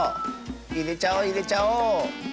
いれちゃおういれちゃおう！